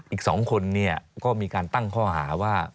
อีก๒คนก็มีการตั้งข้อหาว่า